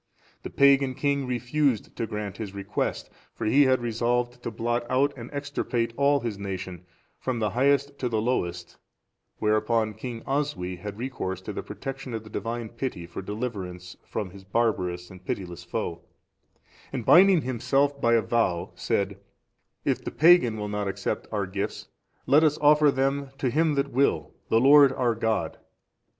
The pagan king refused to grant his request, for he had resolved to blot out and extirpate all his nation, from the highest to the lowest; whereupon King Oswy had recourse to the protection of the Divine pity for deliverance from his barbarous and pitiless foe, and binding himself by a vow, said, "If the pagan will not accept our gifts, let us offer them to Him that will, the Lord our God."